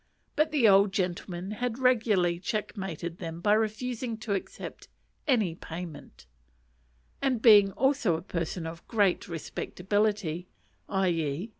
But the old gentleman had regularly check mated them by refusing to accept any payment; and being also a person of great respectability, _i.e.